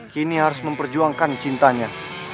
kini harus memperjuangkan cintanya